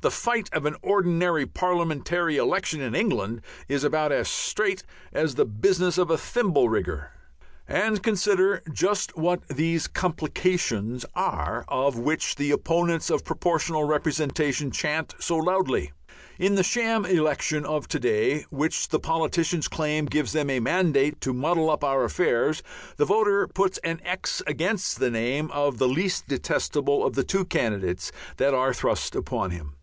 The "fight" of an ordinary Parliamentary election in England is about as "straight" as the business of a thimble rigger. And consider just what these "complications" are of which the opponents of Proportional Representation chant so loudly. In the sham election of to day, which the politicians claim gives them a mandate to muddle up our affairs, the voter puts a x against the name of the least detestable of the two candidates that are thrust upon him.